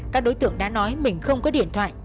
các đối tượng đã nói mình không có điện thoại